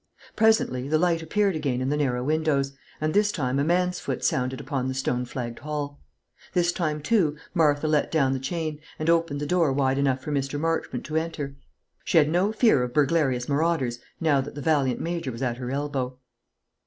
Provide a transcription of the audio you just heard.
Presently the light appeared again in the narrow windows, and this time a man's foot sounded upon the stone flagged hall. This time, too, Martha let down the chain, and opened the door wide enough for Mr. Marchmont to enter. She had no fear of burglarious marauders now that the valiant Major was at her elbow.